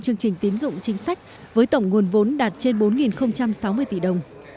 một mươi năm chương trình tín dụng chính sách với tổng nguồn vốn đạt trên bốn sáu mươi tỷ đồng